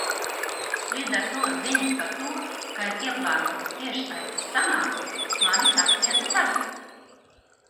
Līdz ar to ziņas par to, ka ir ieplānota tiešsaistes sanāksme, mani sasniedza tad.